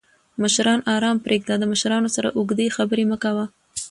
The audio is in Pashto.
مشران آرام پریږده! د مشرانو سره اوږدې خبرې مه کوه